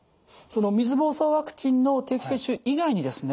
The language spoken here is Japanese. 水ぼうそうワクチンの定期接種以外にですね